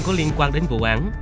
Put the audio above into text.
có liên quan đến vụ án